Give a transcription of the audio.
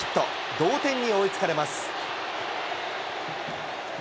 同点に追いつかれます。